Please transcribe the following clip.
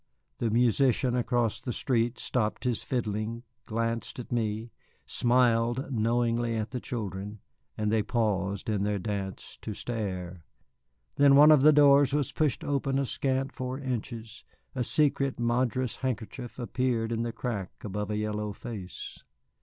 The musician across the street stopped his fiddling, glanced at me, smiled knowingly at the children; and they paused in their dance to stare. Then one of the doors was pushed open a scant four inches, a scarlet madras handkerchief appeared in the crack above a yellow face.